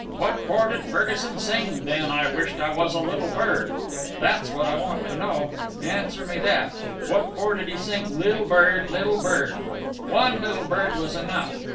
What for did Ferguson sing 'Then I wisht I was a little bird'? That's what I want to know. Answer me that. What for did he sing 'little bird, little bird'? One little bird was enough.